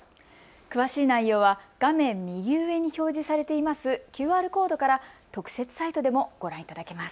詳しい内容は画面右上に表示されているＱＲコードから特設サイトでもご覧いただけます。